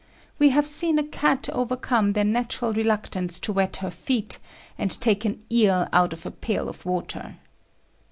We have seen a cat overcome her natural reluctance to wet her feet, and take an eel out of a pail of water."